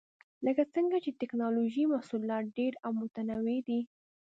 لکه څنګه چې د ټېکنالوجۍ محصولات ډېر او متنوع دي.